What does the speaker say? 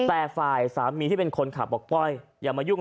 แต่ฝ่ายสามีที่เป็นคนขับบอกป้อยอย่ามายุ่ง